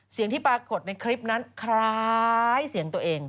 ที่ปรากฏในคลิปนั้นคล้ายเสียงตัวเอง